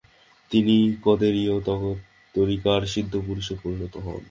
তিনি কাদেরীয় তরীকার সিদ্ধ পুরুষে পরিণত হন।